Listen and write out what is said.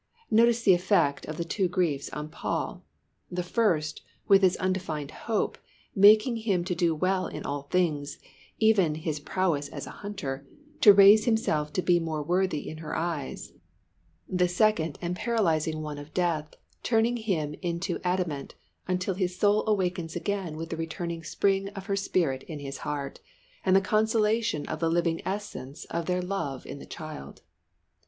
Notice the effect of the two griefs on Paul. The first, with its undefined hope, making him do well in all things even his prowess as a hunter to raise himself to be more worthy in her eyes; the second and paralysing one of death, turning him into adamant until his soul awakens again with the returning spring of her spirit in his heart, and the consolation of the living essence of their love in the child.